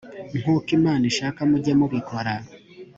nk uko imana ishaka mujye mubikora